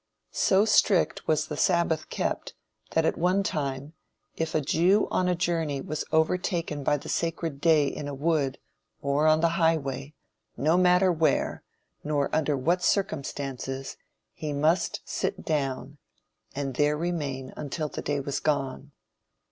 So strict was the sabbath kept, that at one time "if a Jew on a journey was overtaken by the 'sacred day' in a wood, or on the highway, no matter where, nor under what circumstances, he must sit down," and there remain until the day was gone.